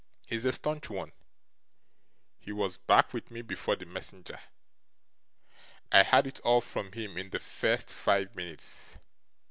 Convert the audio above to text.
He's a staunch one; he was back with me before the messenger. I had it all from him in the first five minutes.